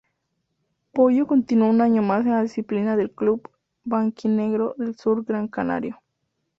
Pollo continuó un año más en la disciplina del club blanquinegro del sur grancanario.